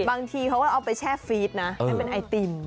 บางทีเข้าลงไปแช่ฟีสนะเป็นไอติม